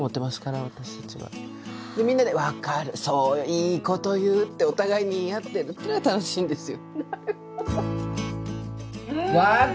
「いいこと言う」ってお互いに言い合ってるっていうのが楽しいんですよ。